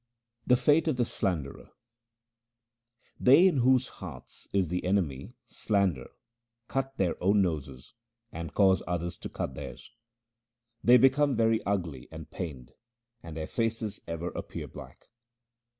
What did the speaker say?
The fate of the slanderer :— They in whose hearts is the enemy slander cut their own noses and cause others to cut theirs. They become very ugly and pained, and their faces ever appear black.